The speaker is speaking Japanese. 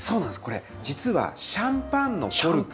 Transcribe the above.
これ実はシャンパンのコルク。